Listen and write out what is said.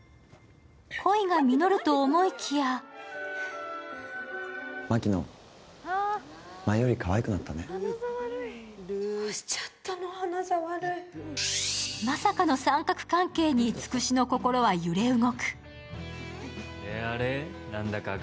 恋が実ると思いきやまさかの三角関係につくしの心は揺れ動く。